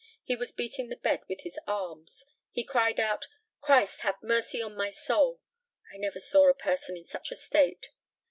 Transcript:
He was beating the bed with his arms. He cried out, "Christ, have mercy on my soul!" I never saw a person in such a state.